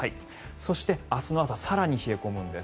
そして、明日の朝更に冷え込むんです。